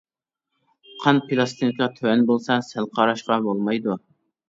قان پىلاستىنكا تۆۋەن بولسا سەل قاراشقا بولمايدۇ.